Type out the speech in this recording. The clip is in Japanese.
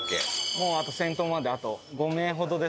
もうあと先頭まであと５名ほどですね。